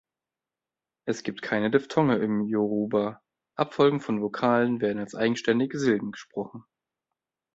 Es gibt keine Diphthonge im Yoruba; Abfolgen von Vokalen werden als eigenständige Silben gesprochen.